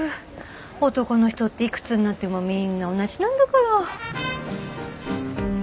男の人っていくつになってもみんな同じなんだから。